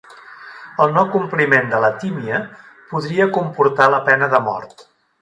El no-compliment de l'atímia podria comportar la pena de mort.